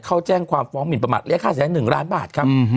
เขาแจ้งความฟ้องหมินประมาทเรียกค่าเสียหาย๑ล้านบาทครับ